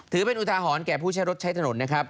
ถือเป็นอุทาหรณ์แก่ผู้ใช้รถใช้ถนนนะครับ